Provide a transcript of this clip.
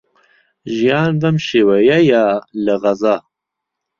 ژیان بەم شێوەیەیە لە غەزە.